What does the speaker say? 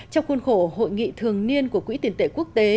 trong khuôn khổ hội nghị thường niên của quỹ tiền tệ quốc tế